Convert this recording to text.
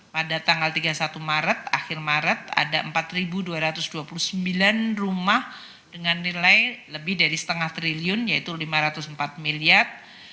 pada tanggal tiga puluh satu maret akhir maret ada empat dua ratus dua puluh sembilan rumah dengan nilai lebih dari setengah triliun yaitu rp lima ratus empat miliar